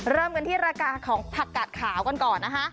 เริ่มกันที่ราคาของผักกาดขาวกันก่อนนะคะ